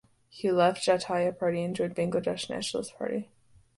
He left Jatiya Party and joined Bangladesh Nationalist Party.